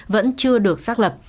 vẫn chưa được xác lập